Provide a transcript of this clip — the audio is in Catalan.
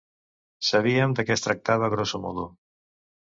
Sabíem de què es tractava grosso modo.